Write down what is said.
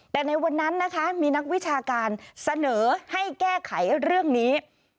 แต่ในวันนั้นนะคะมีนักวิชาการเสนอให้แก้ไขเรื่องนี้